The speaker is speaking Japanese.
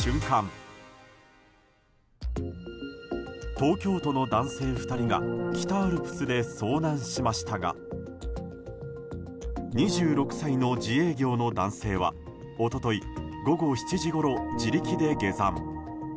東京都の男性２人が北アルプスで遭難しましたが２６歳の自営業の男性は一昨日午後７時ごろ自力で下山。